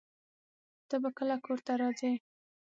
ته به کله کور ته راځې؟